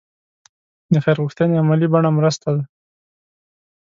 د خیر غوښتنې عملي بڼه مرسته ده.